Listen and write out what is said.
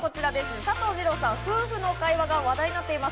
佐藤二朗さん、夫婦の会話が話題になっています。